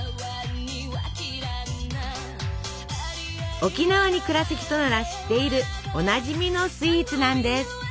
沖縄に暮らす人なら知っているおなじみのスイーツなんです。